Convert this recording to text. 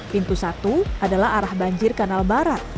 pintu satu adalah arah banjir kanal barat